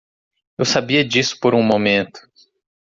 Eu sabia disso por um momento.